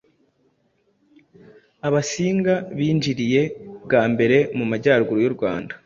Abasinga binjiriye bwa mbere mu Majyaruguru y’u Rwanda